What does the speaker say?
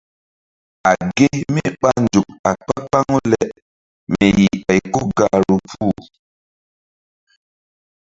A ge mí ɓa nzuk a kpa-kpaŋu le mi yih ɓay ko gahru puh.